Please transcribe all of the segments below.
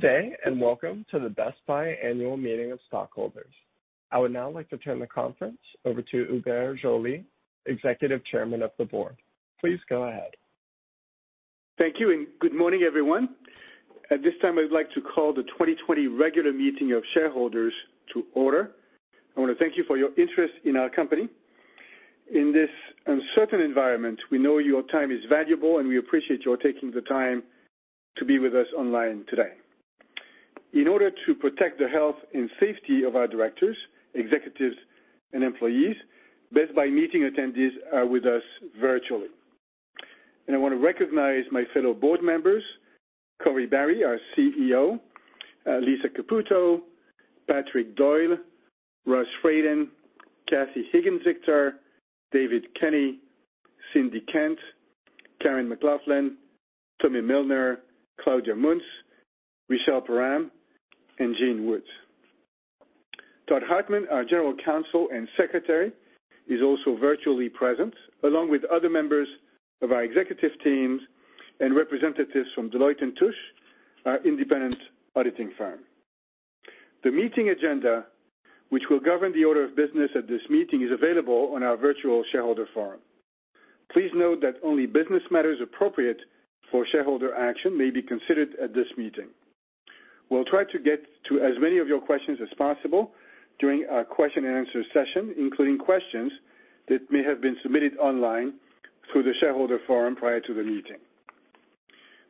Good day. Welcome to the Best Buy Annual Meeting of Stockholders. I would now like to turn the conference over to Hubert Joly, Executive Chairman of the Board. Please go ahead. Thank you. Good morning, everyone. At this time, I would like to call the 2020 regular meeting of shareholders to order. I want to thank you for your interest in our company. In this uncertain environment, we know your time is valuable. We appreciate your taking the time to be with us online today. In order to protect the health and safety of our directors, executives, and employees, Best Buy meeting attendees are with us virtually. I want to recognize my fellow board members, Corie Barry, our CEO, Lisa Caputo, Patrick Doyle, Russ Fradin, Kathy Higgins Victor, David Kenny, Cindy Kent, Karen McLoughlin, Tommy Millner, Claudia Munce, Richelle Parham, and Gene Woods. Todd Hartman, our General Counsel and Secretary, is also virtually present, along with other members of our executive teams and representatives from Deloitte & Touche, our independent auditing firm. The meeting agenda, which will govern the order of business at this meeting, is available on our virtual shareholder forum. Please note that only business matters appropriate for shareholder action may be considered at this meeting. We'll try to get to as many of your questions as possible during our question and answer session, including questions that may have been submitted online through the shareholder forum prior to the meeting.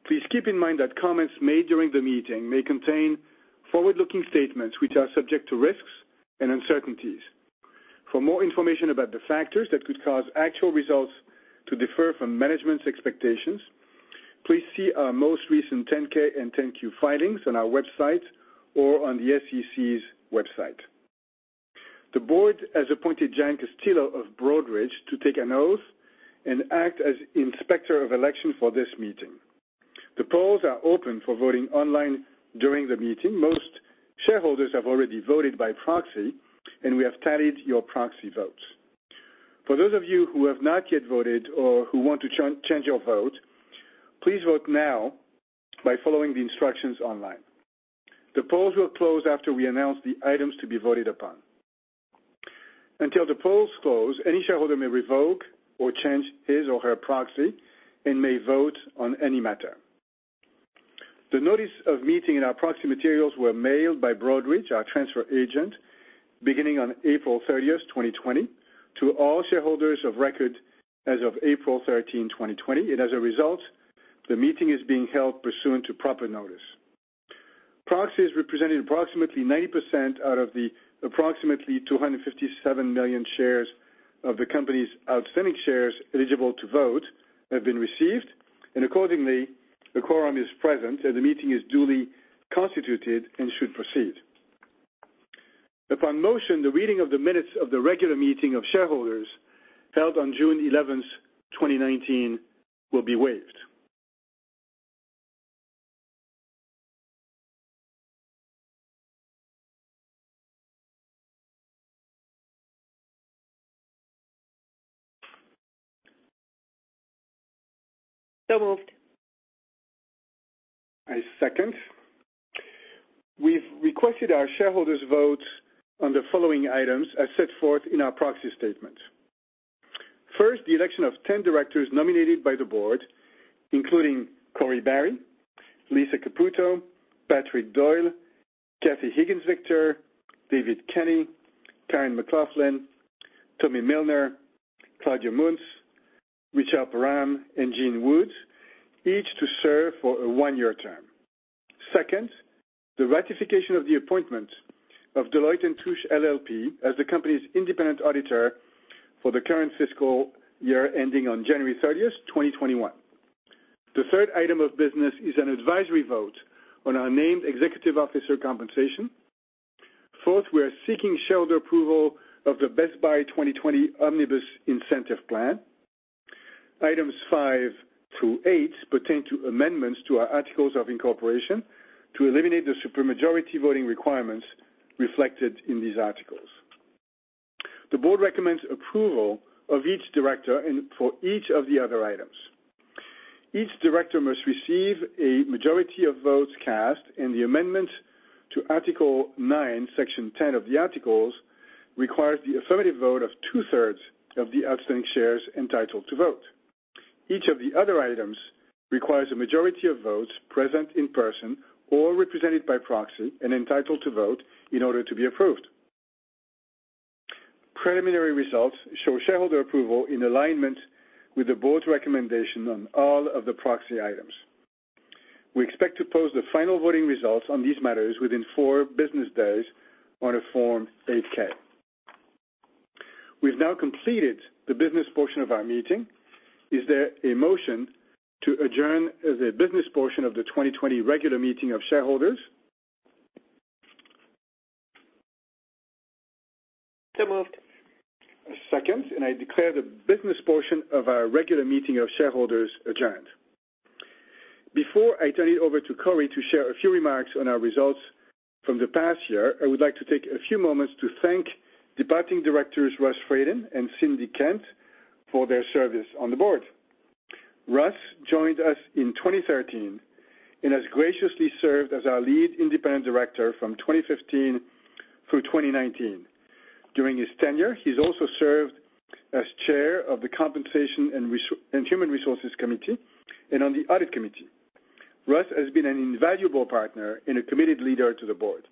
Please keep in mind that comments made during the meeting may contain forward-looking statements, which are subject to risks and uncertainties. For more information about the factors that could cause actual results to differ from management's expectations, please see our most recent 10-K and 10-Q filings on our website or on the SEC's website. The board has appointed Jan Castillo of Broadridge to take an oath and act as Inspector of Election for this meeting. The polls are open for voting online during the meeting. Most shareholders have already voted by proxy. We have tallied your proxy votes. For those of you who have not yet voted or who want to change your vote, please vote now by following the instructions online. The polls will close after we announce the items to be voted upon. Until the polls close, any shareholder may revoke or change his or her proxy and may vote on any matter. The notice of meeting and our proxy materials were mailed by Broadridge, our transfer agent, beginning on April 30, 2020, to all shareholders of record as of April 13, 2020. As a result, the meeting is being held pursuant to proper notice. Proxies representing approximately 90% out of the approximately 257 million shares of the company's outstanding shares eligible to vote have been received. Accordingly, a quorum is present, and the meeting is duly constituted and should proceed. Upon motion, the reading of the minutes of the regular meeting of shareholders held on June 11th, 2019, will be waived. Moved. I second. We've requested our shareholders' votes on the following items as set forth in our proxy statement. First, the election of 10 directors nominated by the board, including Corie Barry, Lisa Caputo, Patrick Doyle, Kathy Higgins Victor, David Kenny, Karen McLoughlin, Tommy Millner, Claudia Munce, Richelle Parham, and Gene Woods, each to serve for a one-year term. Second, the ratification of the appointment of Deloitte & Touche LLP as the company's independent auditor for the current fiscal year ending on January 30th, 2021. The third item of business is an advisory vote on our named executive officer compensation. Fourth, we are seeking shareholder approval of the Best Buy 2020 Omnibus Incentive Plan. Items five through eight pertain to amendments to our articles of incorporation to eliminate the supermajority voting requirements reflected in these articles. The board recommends approval of each director and for each of the other items. Each director must receive a majority of votes cast, and the amendment to Article 9, Section 10 of the articles requires the affirmative vote of two-thirds of the outstanding shares entitled to vote. Each of the other items requires a majority of votes present in person or represented by proxy and entitled to vote in order to be approved. Preliminary results show shareholder approval in alignment with the board's recommendation on all of the proxy items. We expect to post the final voting results on these matters within four business days on a Form 8-K. We've now completed the business portion of our meeting. Is there a motion to adjourn the business portion of the 2020 regular meeting of shareholders? Moved. I second, and I declare the business portion of our regular meeting of shareholders adjourned. Before I turn it over to Corie to share a few remarks on our results from the past year, I would like to take a few moments to thank departing directors Russ Fradin and Cindy Kent for their service on the board. Russ joined us in 2013 and has graciously served as our Lead Independent Director from 2015 through 2019. During his tenure, he's also served as Chair of the Compensation and Human Resources Committee and on the Audit Committee. Russ has been an invaluable partner and a committed leader to the board.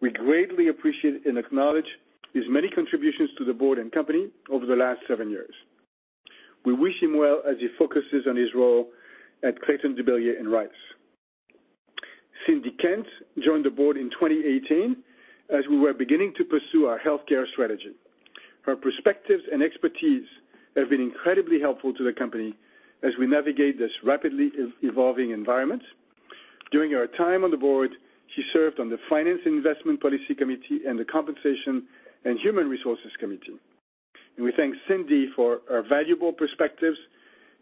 We greatly appreciate and acknowledge his many contributions to the board and company over the last seven years. We wish him well as he focuses on his role at Clayton, Dubilier & Rice. Cindy Kent joined the board in 2018 as we were beginning to pursue our healthcare strategy. Her perspectives and expertise have been incredibly helpful to the company as we navigate this rapidly evolving environment. During her time on the board, she served on the Finance and Investment Policy Committee and the Compensation and Human Resources Committee. We thank Cindy for her valuable perspectives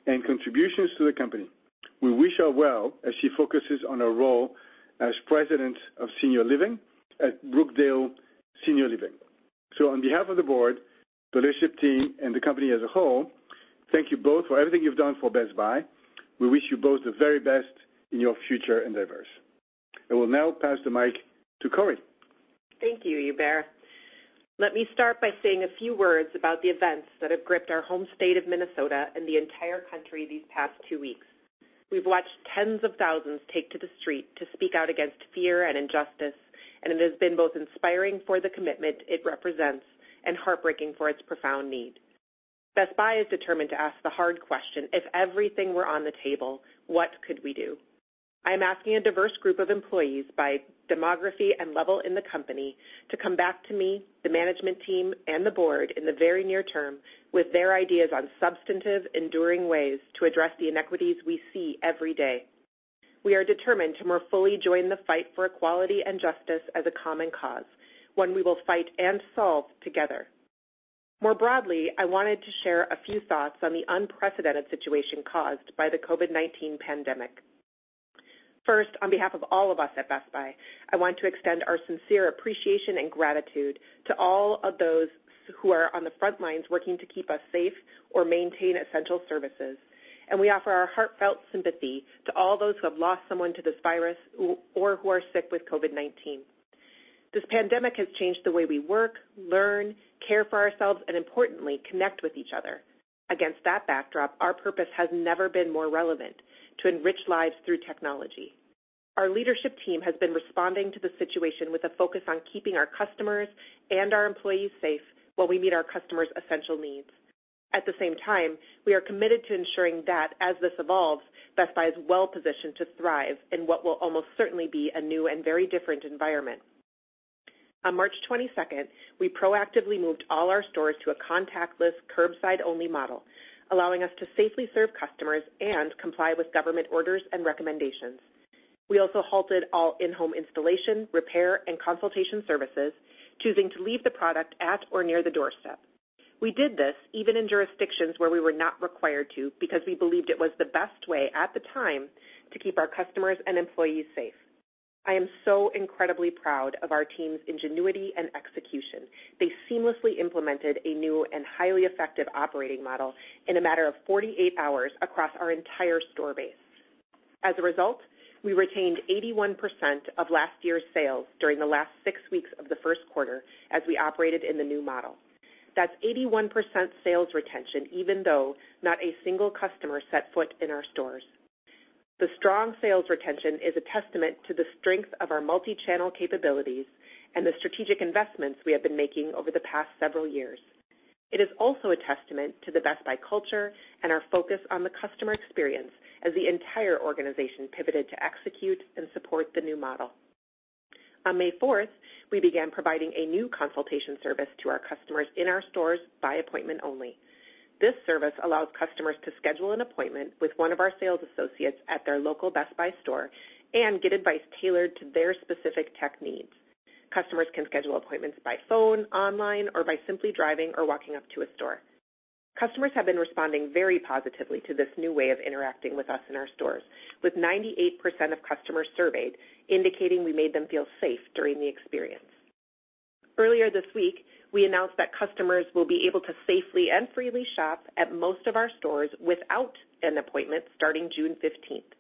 and contributions to the company. We wish her well as she focuses on her role as President of Senior Living at Brookdale Senior Living. On behalf of the board, the leadership team, and the company as a whole, thank you both for everything you've done for Best Buy. We wish you both the very best in your future endeavors. I will now pass the mic to Corie. Thank you, Hubert. Let me start by saying a few words about the events that have gripped our home state of Minnesota and the entire country these past two weeks. We've watched tens of thousands take to the street to speak out against fear and injustice, and it has been both inspiring for the commitment it represents and heartbreaking for its profound need. Best Buy is determined to ask the hard question: if everything were on the table, what could we do? I am asking a diverse group of employees by demography and level in the company to come back to me, the management team, and the board in the very near term with their ideas on substantive, enduring ways to address the inequities we see every day. We are determined to more fully join the fight for equality and justice as a common cause, one we will fight and solve together. More broadly, I wanted to share a few thoughts on the unprecedented situation caused by the COVID-19 pandemic. First, on behalf of all of us at Best Buy, I want to extend our sincere appreciation and gratitude to all of those who are on the front lines working to keep us safe or maintain essential services. We offer our heartfelt sympathy to all those who have lost someone to this virus or who are sick with COVID-19. This pandemic has changed the way we work, learn, care for ourselves, and importantly, connect with each other. Against that backdrop, our purpose has never been more relevant, to enrich lives through technology. Our leadership team has been responding to the situation with a focus on keeping our customers and our employees safe while we meet our customers' essential needs. At the same time, we are committed to ensuring that as this evolves, Best Buy is well-positioned to thrive in what will almost certainly be a new and very different environment. On March 22nd, we proactively moved all our stores to a contactless, curbside-only model, allowing us to safely serve customers and comply with government orders and recommendations. We also halted all in-home installation, repair, and consultation services, choosing to leave the product at or near the doorstep. We did this even in jurisdictions where we were not required to because we believed it was the best way at the time to keep our customers and employees safe. I am so incredibly proud of our team's ingenuity and execution. They seamlessly implemented a new and highly effective operating model in a matter of 48 hours across our entire store base. As a result, we retained 81% of last year's sales during the last six weeks of the first quarter as we operated in the new model. That's 81% sales retention, even though not a single customer set foot in our stores. The strong sales retention is a testament to the strength of our multi-channel capabilities and the strategic investments we have been making over the past several years. It is also a testament to the Best Buy culture and our focus on the customer experience as the entire organization pivoted to execute and support the new model. On May 4th, we began providing a new consultation service to our customers in our stores by appointment only. This service allows customers to schedule an appointment with one of our sales associates at their local Best Buy store and get advice tailored to their specific tech needs. Customers can schedule appointments by phone, online, or by simply driving or walking up to a store. Customers have been responding very positively to this new way of interacting with us in our stores. With 98% of customers surveyed indicating we made them feel safe during the experience. Earlier this week, we announced that customers will be able to safely and freely shop at most of our stores without an appointment starting June 15th.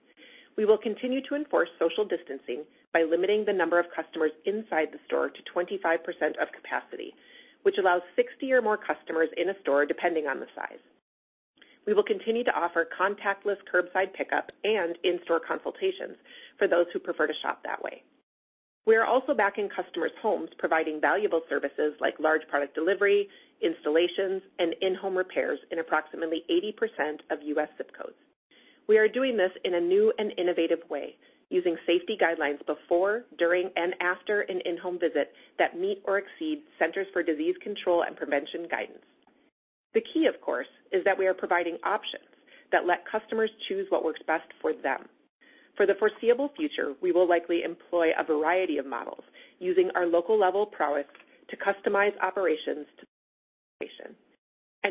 We will continue to enforce social distancing by limiting the number of customers inside the store to 25% of capacity, which allows 60 or more customers in a store, depending on the size. We will continue to offer contactless curbside pickup and in-store consultations for those who prefer to shop that way. We are also back in customers' homes providing valuable services like large product delivery, installations, and in-home repairs in approximately 80% of U.S. ZIP codes. We are doing this in a new and innovative way, using safety guidelines before, during, and after an in-home visit that meet or exceed Centers for Disease Control and Prevention guidance. The key, of course, is that we are providing options that let customers choose what works best for them. For the foreseeable future, we will likely employ a variety of models using our local level prowess to customize operations to the patient.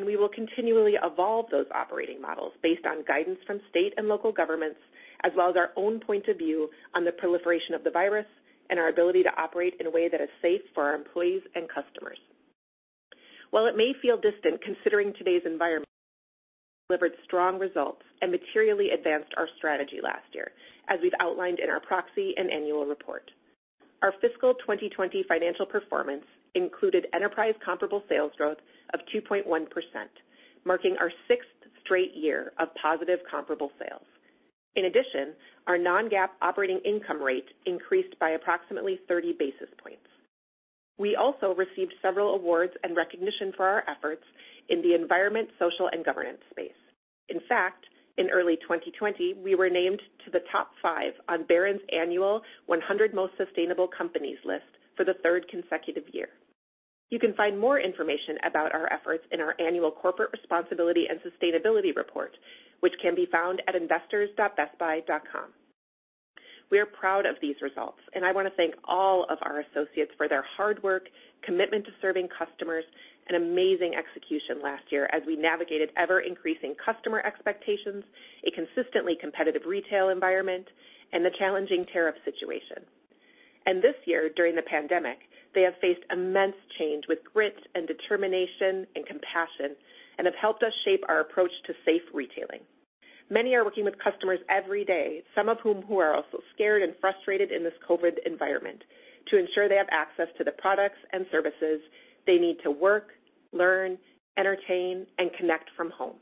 We will continually evolve those operating models based on guidance from state and local governments, as well as our own point of view on the proliferation of the virus and our ability to operate in a way that is safe for our employees and customers. While it may feel distant considering today's environment, we delivered strong results and materially advanced our strategy last year, as we've outlined in our proxy and annual report. Our fiscal 2020 financial performance included enterprise comparable sales growth of 2.1%, marking our sixth straight year of positive comparable sales. In addition, our non-GAAP operating income rate increased by approximately 30 basis points. We also received several awards and recognition for our efforts in the environment, social, and governance space. In fact, in early 2020, we were named to the top five on Barron's annual 100 Most Sustainable Companies list for the third consecutive year. You can find more information about our efforts in our annual corporate responsibility and sustainability report, which can be found at investors.bestbuy.com. We are proud of these results. I want to thank all of our associates for their hard work, commitment to serving customers, and amazing execution last year as we navigated ever-increasing customer expectations, a consistently competitive retail environment, and the challenging tariff situation. This year, during the pandemic, they have faced immense change with grit and determination and compassion, and have helped us shape our approach to safe retailing. Many are working with customers every day, some of whom who are also scared and frustrated in this COVID environment, to ensure they have access to the products and services they need to work, learn, entertain, and connect from home.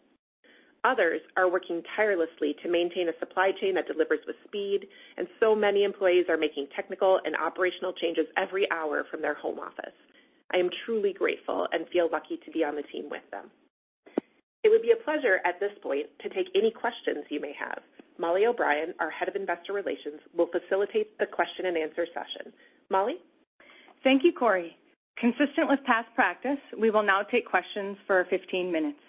Others are working tirelessly to maintain a supply chain that delivers with speed. Many employees are making technical and operational changes every hour from their home office. I am truly grateful and feel lucky to be on the team with them. It would be a pleasure at this point to take any questions you may have. Mollie O'Brien, our Head of Investor Relations, will facilitate the question and answer session. Mollie? Thank you, Corie. Consistent with past practice, we will now take questions for 15 minutes.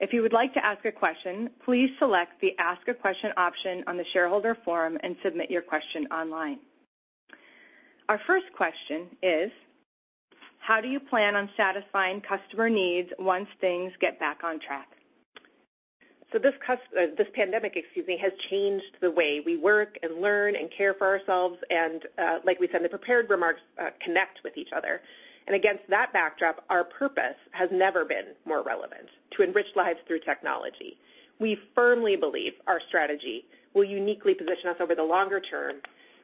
If you would like to ask a question, please select the Ask a Question option on the shareholder forum and submit your question online. Our first question is, how do you plan on satisfying customer needs once things get back on track? This pandemic has changed the way we work and learn and care for ourselves and, like we said in the prepared remarks, connect with each other. Against that backdrop, our purpose has never been more relevant, to enrich lives through technology. We firmly believe our strategy will uniquely position us over the longer term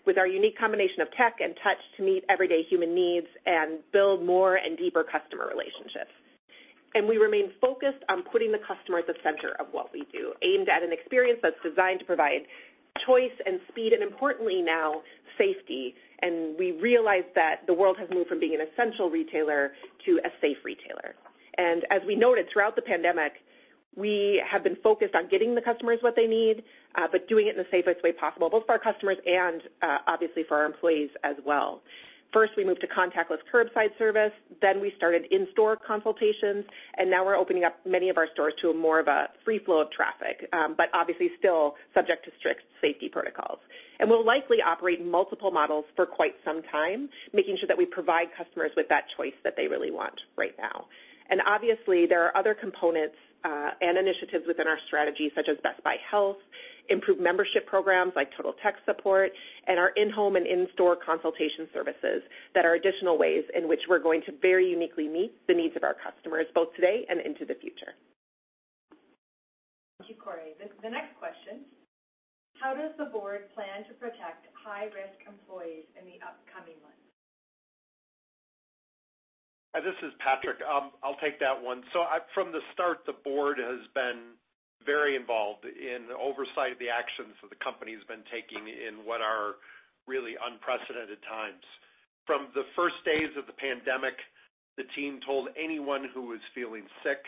with our unique combination of tech and touch to meet everyday human needs and build more and deeper customer relationships. We remain focused on putting the customer at the center of what we do, aimed at an experience that's designed to provide choice and speed and importantly now, safety. We realize that the world has moved from being an essential retailer to a safe retailer. As we noted throughout the pandemic, we have been focused on getting the customers what they need, but doing it in the safest way possible, both for our customers and, obviously, for our employees as well. First, we moved to contactless curbside service. We started in-store consultations. Now we're opening up many of our stores to more of a free flow of traffic, but obviously still subject to strict safety protocols. We'll likely operate multiple models for quite some time, making sure that we provide customers with that choice that they really want right now. Obviously, there are other components and initiatives within our strategy such as Best Buy Health, improved membership programs like Total Tech Support, and our in-home and in-store consultation services that are additional ways in which we're going to very uniquely meet the needs of our customers, both today and into the future. Thank you, Corie. The next question, how does the board plan to protect high-risk employees in the upcoming months? Hi, this is Patrick. I'll take that one. From the start, the board has been very involved in the oversight of the actions that the company's been taking in what are really unprecedented times. From the first days of the pandemic, the team told anyone who was feeling sick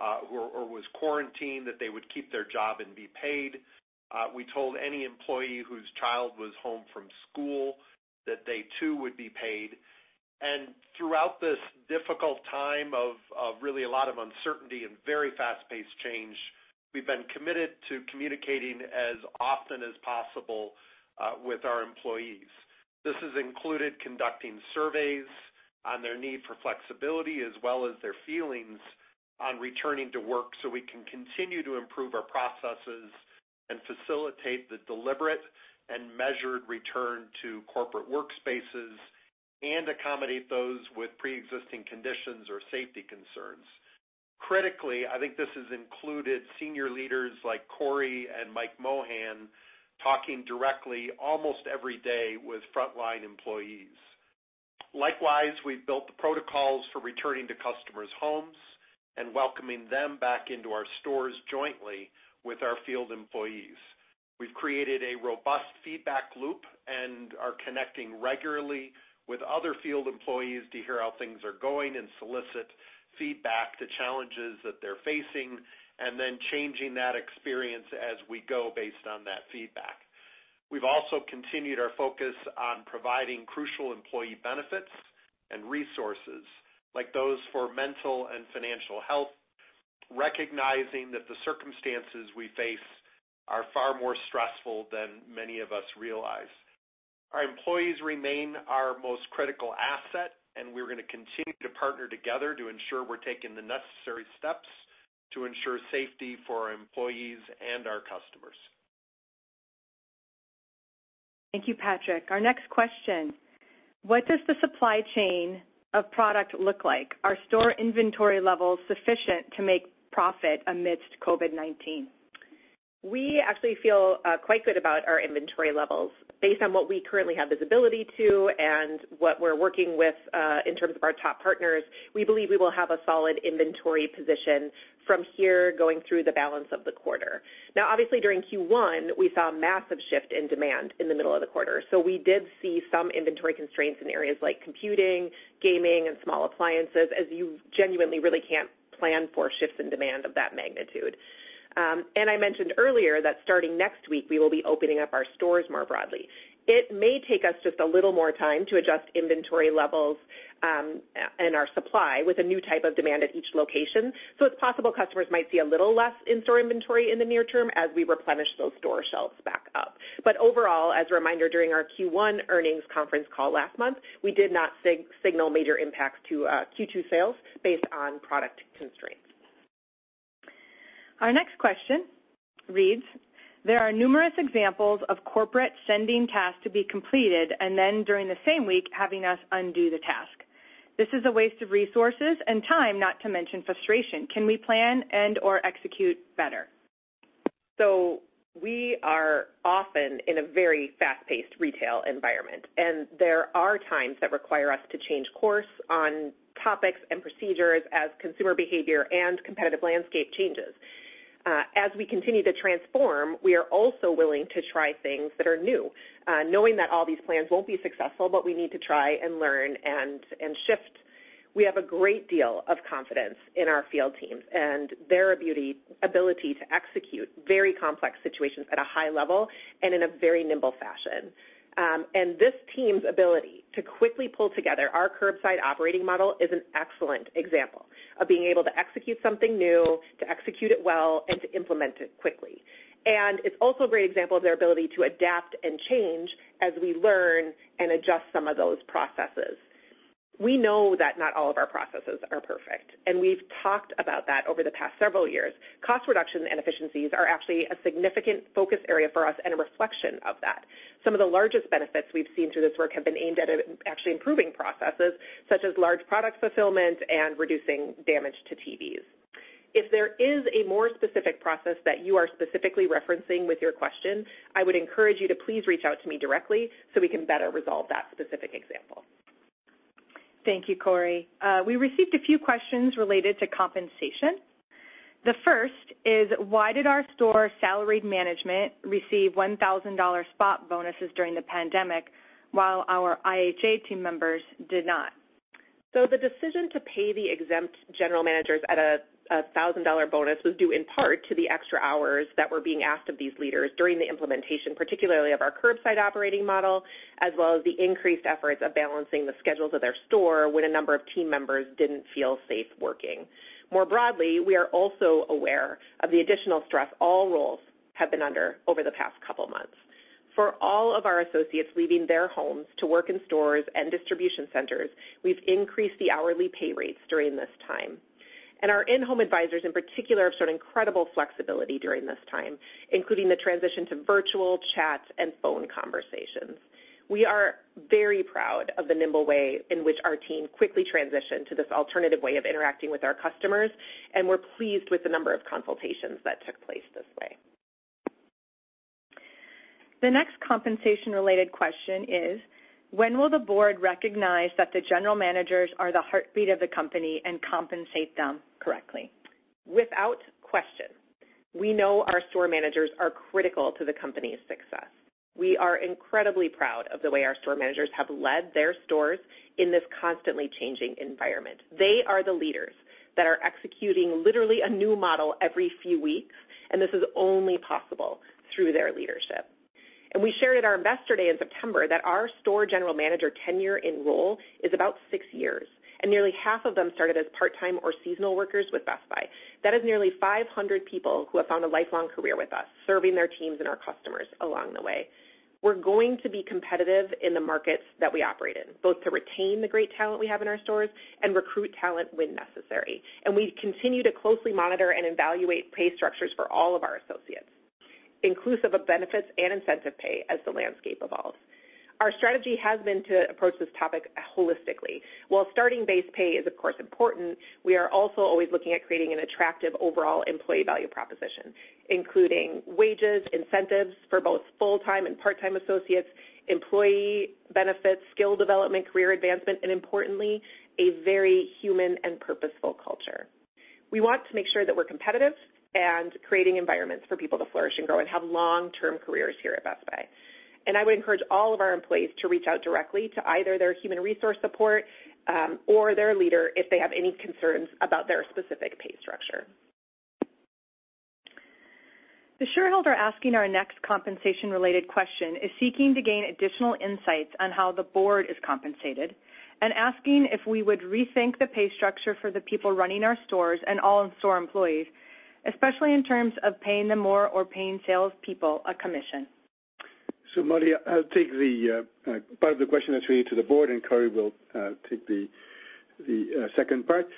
or was quarantined that they would keep their job and be paid. We told any employee whose child was home from school that they too would be paid. Throughout this difficult time of really a lot of uncertainty and very fast-paced change, we've been committed to communicating as often as possible with our employees. This has included conducting surveys on their need for flexibility as well as their feelings on returning to work so we can continue to improve our processes and facilitate the deliberate and measured return to corporate workspaces and accommodate those with preexisting conditions or safety concerns. Critically, I think this has included senior leaders like Corie and Mike Mohan talking directly almost every day with frontline employees. Likewise, we've built the protocols for returning to customers' homes and welcoming them back into our stores jointly with our field employees. We've created a robust feedback loop and are connecting regularly with other field employees to hear how things are going and solicit feedback to challenges that they're facing, then changing that experience as we go based on that feedback. We've also continued our focus on providing crucial employee benefits and resources like those for mental and financial health, recognizing that the circumstances we face are far more stressful than many of us realize. Our employees remain our most critical asset, we're going to continue to partner together to ensure we're taking the necessary steps to ensure safety for our employees and our customers. Thank you, Patrick. Our next question: what does the supply chain of product look like? Are store inventory levels sufficient to make profit amidst COVID-19? We actually feel quite good about our inventory levels. Based on what we currently have visibility to and what we're working with in terms of our top partners, we believe we will have a solid inventory position from here going through the balance of the quarter. Obviously, during Q1, we saw a massive shift in demand in the middle of the quarter. We did see some inventory constraints in areas like computing, gaming, and small appliances, as you genuinely really can't plan for shifts in demand of that magnitude. I mentioned earlier that starting next week, we will be opening up our stores more broadly. It may take us just a little more time to adjust inventory levels and our supply with a new type of demand at each location. It's possible customers might see a little less in-store inventory in the near term as we replenish those store shelves back up. Overall, as a reminder, during our Q1 earnings conference call last month, we did not signal major impacts to Q2 sales based on product constraints. Our next question reads: there are numerous examples of corporate sending tasks to be completed and then, during the same week, having us undo the task. This is a waste of resources and time, not to mention frustration. Can we plan and/or execute better? We are often in a very fast-paced retail environment, and there are times that require us to change course on topics and procedures as consumer behavior and competitive landscape changes. As we continue to transform, we are also willing to try things that are new, knowing that all these plans won't be successful, but we need to try and learn and shift. We have a great deal of confidence in our field teams and their ability to execute very complex situations at a high level and in a very nimble fashion. This team's ability to quickly pull together our curbside operating model is an excellent example of being able to execute something new, to execute it well, and to implement it quickly. It's also a great example of their ability to adapt and change as we learn and adjust some of those processes. We know that not all of our processes are perfect, and we've talked about that over the past several years. Cost reduction and efficiencies are actually a significant focus area for us and a reflection of that. Some of the largest benefits we've seen through this work have been aimed at actually improving processes such as large product fulfillment and reducing damage to TVs. If there is a more specific process that you are specifically referencing with your question, I would encourage you to please reach out to me directly so we can better resolve that specific example. Thank you, Corie. We received a few questions related to compensation. The first is why did our store salaried management receive $1,000 spot bonuses during the pandemic while our IHA team members did not? The decision to pay the exempt general managers at a $1,000 bonus was due in part to the extra hours that were being asked of these leaders during the implementation, particularly of our curbside operating model, as well as the increased efforts of balancing the schedules of their store when a number of team members didn't feel safe working. More broadly, we are also aware of the additional stress all roles have been under over the past couple of months. For all of our associates leaving their homes to work in stores and distribution centers, we've increased the hourly pay rates during this time. Our in-home advisors, in particular, have shown incredible flexibility during this time, including the transition to virtual chats and phone conversations. We are very proud of the nimble way in which our team quickly transitioned to this alternative way of interacting with our customers. We're pleased with the number of consultations that took place this way. The next compensation-related question is: when will the board recognize that the general managers are the heartbeat of the company and compensate them correctly? Without question. We know our store managers are critical to the company's success. We are incredibly proud of the way our store managers have led their stores in this constantly changing environment. They are the leaders that are executing literally a new model every few weeks. This is only possible through their leadership. We shared at our Investor Day in September that our store general manager tenure in role is about six years. Nearly half of them started as part-time or seasonal workers with Best Buy. That is nearly 500 people who have found a lifelong career with us, serving their teams and our customers along the way. We're going to be competitive in the markets that we operate in, both to retain the great talent we have in our stores and recruit talent when necessary. We continue to closely monitor and evaluate pay structures for all of our associates, inclusive of benefits and incentive pay as the landscape evolves. Our strategy has been to approach this topic holistically. While starting base pay is of course important, we are also always looking at creating an attractive overall employee value proposition, including wages, incentives for both full-time and part-time associates, employee benefits, skill development, career advancement, and importantly, a very human and purposeful culture. We want to make sure that we're competitive and creating environments for people to flourish and grow and have long-term careers here at Best Buy. I would encourage all of our employees to reach out directly to either their human resource support or their leader if they have any concerns about their specific pay structure. The shareholder asking our next compensation-related question is seeking to gain additional insights on how the board is compensated and asking if we would rethink the pay structure for the people running our stores and all in-store employees, especially in terms of paying them more or paying salespeople a commission. Mollie, I'll take the part of the question that's related to the board, Corie will take the second part.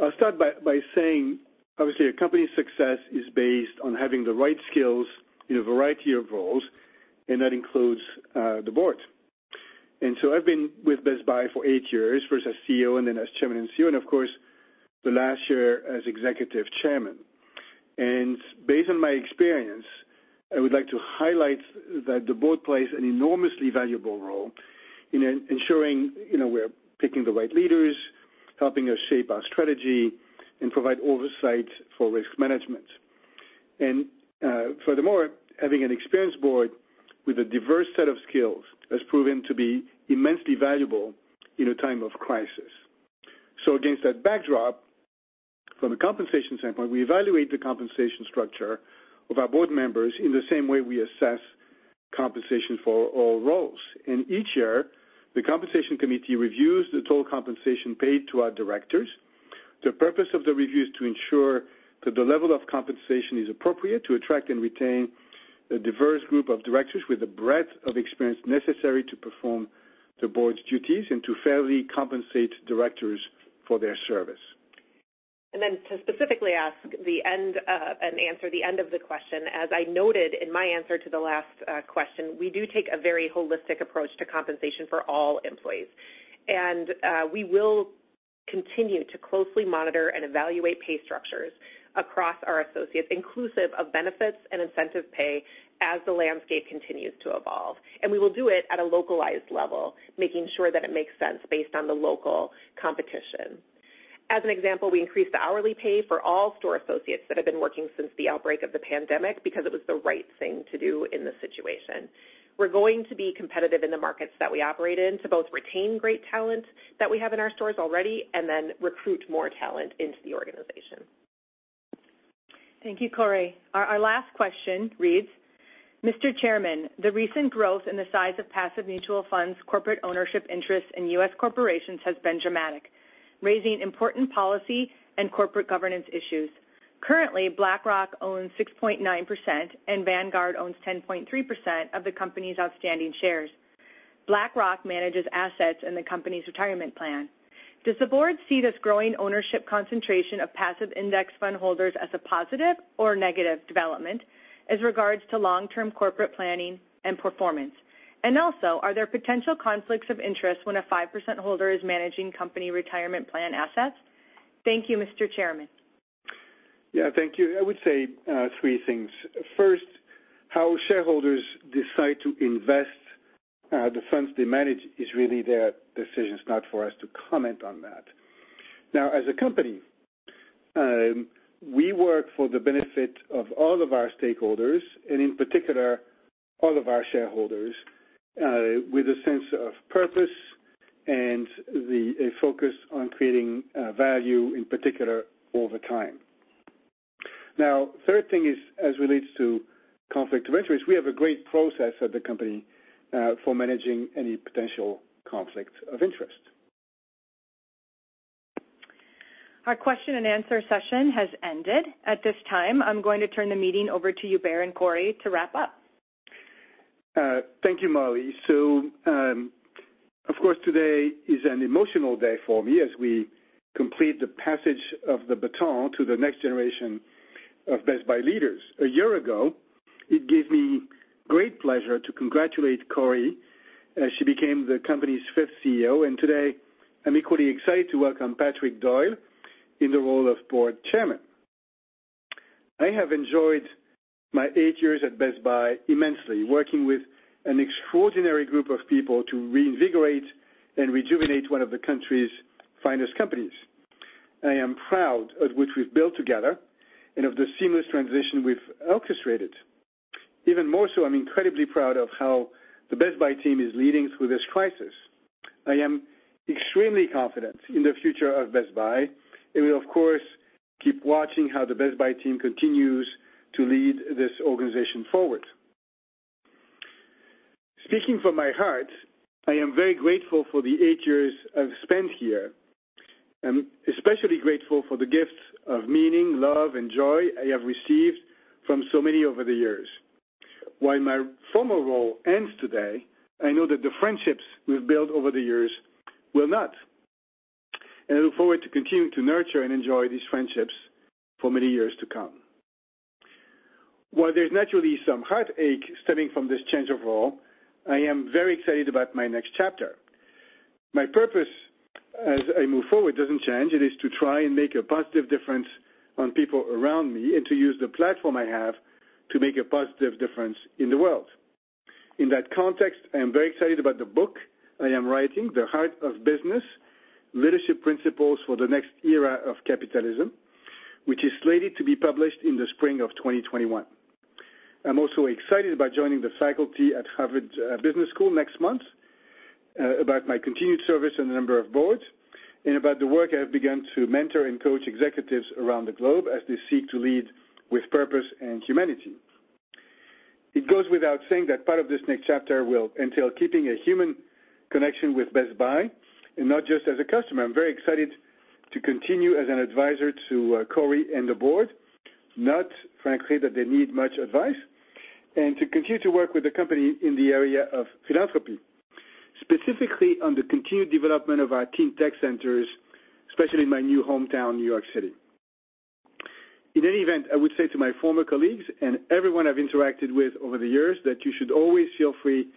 I'll start by saying, obviously, a company's success is based on having the right skills in a variety of roles, and that includes the board. I've been with Best Buy for eight years, first as CEO and then as Chairman and CEO, and of course, the last year as Executive Chairman. Based on my experience, I would like to highlight that the board plays an enormously valuable role in ensuring we're picking the right leaders, helping us shape our strategy and provide oversight for risk management. Furthermore, having an experienced board with a diverse set of skills has proven to be immensely valuable in a time of crisis. Against that backdrop, from a compensation standpoint, we evaluate the compensation structure of our board members in the same way we assess compensation for all roles. Each year, the compensation committee reviews the total compensation paid to our directors. The purpose of the review is to ensure that the level of compensation is appropriate to attract and retain a diverse group of directors with the breadth of experience necessary to perform the board's duties and to fairly compensate directors for their service. Then to specifically ask and answer the end of the question, as I noted in my answer to the last question, we do take a very holistic approach to compensation for all employees. We will continue to closely monitor and evaluate pay structures across our associates, inclusive of benefits and incentive pay as the landscape continues to evolve. We will do it at a localized level, making sure that it makes sense based on the local competition. As an example, we increased the hourly pay for all store associates that have been working since the outbreak of the pandemic because it was the right thing to do in this situation. We're going to be competitive in the markets that we operate in to both retain great talent that we have in our stores already and then recruit more talent into the organization. Thank you, Corie. Our last question reads, "Mr. Chairman, the recent growth in the size of passive mutual funds, corporate ownership interests in U.S. corporations has been dramatic, raising important policy and corporate governance issues. Currently, BlackRock owns 6.9% and Vanguard owns 10.3% of the company's outstanding shares. BlackRock manages assets in the company's retirement plan. Does the board see this growing ownership concentration of passive index fund holders as a positive or negative development as regards to long-term corporate planning and performance? Also, are there potential conflicts of interest when a 5% holder is managing company retirement plan assets? Thank you, Mr. Chairman. Thank you. I would say three things. First, how shareholders decide to invest the funds they manage is really their decisions, not for us to comment on that. As a company, we work for the benefit of all of our stakeholders and, in particular, all of our shareholders, with a sense of purpose and a focus on creating value, in particular, over time. Third thing is as relates to conflict of interest, we have a great process at the company for managing any potential conflict of interest. Our question and answer session has ended. At this time, I'm going to turn the meeting over to you, Hubert and Corie, to wrap up. Thank you, Mollie. Of course, today is an emotional day for me as we complete the passage of the baton to the next generation of Best Buy leaders. A year ago, it gave me great pleasure to congratulate Corie as she became the company's fifth CEO. Today I'm equally excited to welcome Patrick Doyle in the role of Board Chairman. I have enjoyed my eight years at Best Buy immensely, working with an extraordinary group of people to reinvigorate and rejuvenate one of the country's finest companies. I am proud of what we've built together and of the seamless transition we've orchestrated. Even more so, I'm incredibly proud of how the Best Buy team is leading through this crisis. I am extremely confident in the future of Best Buy and will, of course, keep watching how the Best Buy team continues to lead this organization forward. Speaking from my heart, I am very grateful for the eight years I've spent here. I'm especially grateful for the gifts of meaning, love and joy I have received from so many over the years. While my former role ends today, I know that the friendships we've built over the years will not, and I look forward to continuing to nurture and enjoy these friendships for many years to come. While there's naturally some heartache stemming from this change of role, I am very excited about my next chapter. My purpose as I move forward doesn't change. It is to try and make a positive difference on people around me and to use the platform I have to make a positive difference in the world. In that context, I am very excited about the book I am writing, "The Heart of Business: Leadership Principles for the Next Era of Capitalism," which is slated to be published in the spring of 2021. I'm also excited about joining the faculty at Harvard Business School next month, about my continued service on a number of boards, and about the work I have begun to mentor and coach executives around the globe as they seek to lead with purpose and humanity. It goes without saying that part of this next chapter will entail keeping a human connection with Best Buy and not just as a customer. I'm very excited to continue as an advisor to Corie and the board. Not frankly that they need much advice. To continue to work with the company in the area of philanthropy, specifically on the continued development of our Teen Tech Centers, especially in my new hometown, New York City. In any event, I would say to my former colleagues and everyone I've interacted with over the years, that you should always feel free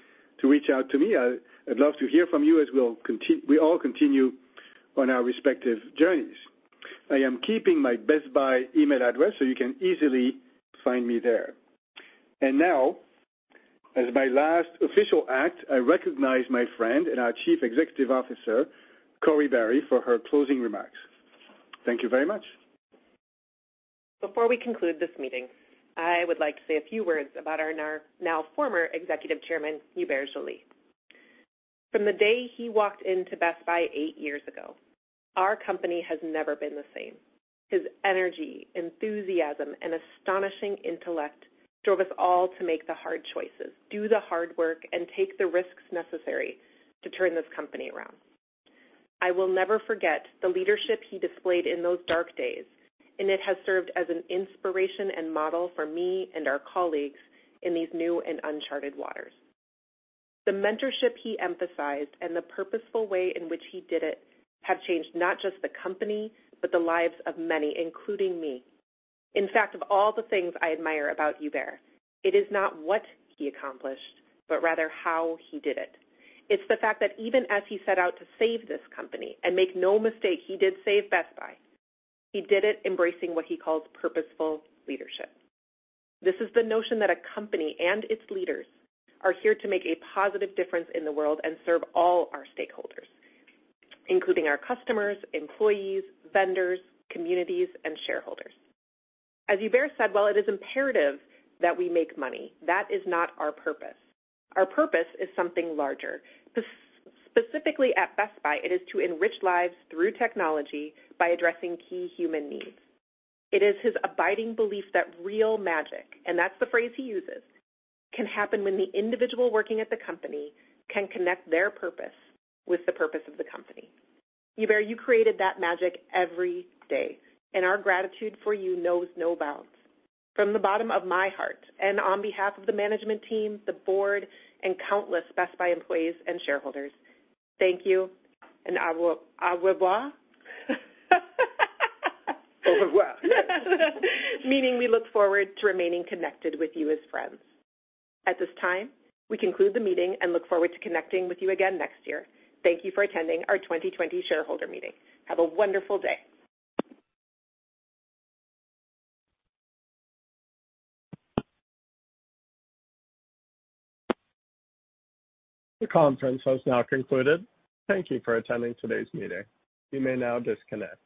to reach out to me. I'd love to hear from you as we all continue on our respective journeys. I am keeping my Best Buy email address, so you can easily find me there. Now, as my last official act, I recognize my friend and our Chief Executive Officer, Corie Barry, for her closing remarks. Thank you very much. Before we conclude this meeting, I would like to say a few words about our now former Executive Chairman, Hubert Joly. From the day he walked into Best Buy eight years ago, our company has never been the same. His energy, enthusiasm, and astonishing intellect drove us all to make the hard choices, do the hard work, and take the risks necessary to turn this company around. I will never forget the leadership he displayed in those dark days, and it has served as an inspiration and model for me and our colleagues in these new and uncharted waters. The mentorship he emphasized and the purposeful way in which he did it have changed not just the company, but the lives of many, including me. In fact, of all the things I admire about Hubert, it is not what he accomplished, but rather how he did it. It's the fact that even as he set out to save this company, make no mistake, he did save Best Buy, he did it embracing what he calls purposeful leadership. This is the notion that a company and its leaders are here to make a positive difference in the world and serve all our stakeholders, including our customers, employees, vendors, communities, and shareholders. As Hubert said, while it is imperative that we make money, that is not our purpose. Our purpose is something larger. Specifically at Best Buy, it is to enrich lives through technology by addressing key human needs. It is his abiding belief that real magic, and that's the phrase he uses, can happen when the individual working at the company can connect their purpose with the purpose of the company. Hubert, you created that magic every day and our gratitude for you knows no bounds. From the bottom of my heart and on behalf of the management team, the board, and countless Best Buy employees and shareholders, thank you and au revoir? Au revoir, yes. Meaning we look forward to remaining connected with you as friends. At this time, we conclude the meeting and look forward to connecting with you again next year. Thank you for attending our 2020 shareholder meeting. Have a wonderful day. This conference has now concluded. Thank you for attending today's meeting. You may now disconnect.